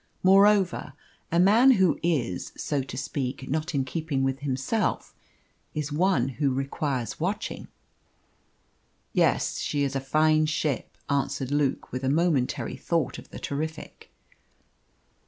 Moreover, a man who is, so to speak, not in keeping with himself is one who requires watching. "Yes, she is a fine ship," answered Luke, with a momentary thought of the Terrific.